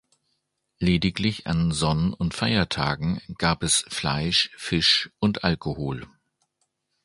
Lediglich an Sonn- und Feiertagen gab es Fleisch, Fisch und Alkohol.